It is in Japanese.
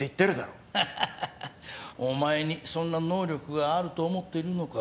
ハハハハお前にそんな能力があると思っているのか？